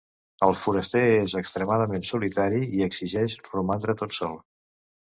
El foraster és extremadament solitari i exigeix romandre tot sol.